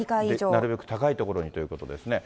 なるべく高い所にということですね。